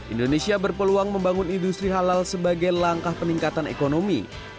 indonesia berpeluang membangun industri halal sebagai langkah peningkatan ekonomi